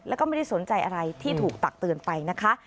แล้วก็ไม่ได้สนใจอะไรที่ถูกตักเตือนไปนะคะ